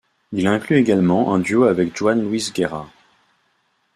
Il inclut également un duo avec Juan Luis Guerra.